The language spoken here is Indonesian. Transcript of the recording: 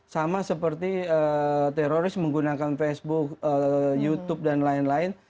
sama seperti teroris menggunakan facebook youtube dan lain lain